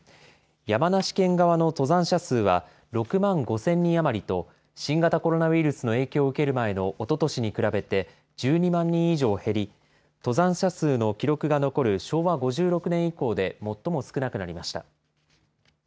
山梨県側の登山者数は６万５０００人余りと、新型コロナウイルスの影響を受ける前のおととしに比べて１２万人以上減り、登山者数の記録が残る昭和５６年以降で最も少なくなりました。